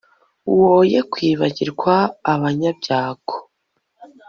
woye kwibagirwa abanyabyago